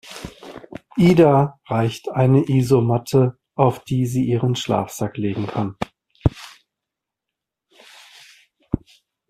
Ida reicht eine Isomatte, auf die sie ihren Schlafsack legen kann.